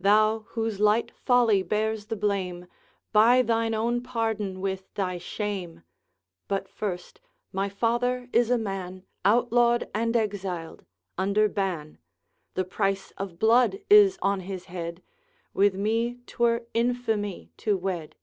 Thou, whose light folly bears the blame, Buy thine own pardon with thy shame! But first my father is a man Outlawed and exiled, under ban; The price of blood is on his head, With me 't were infamy to wed.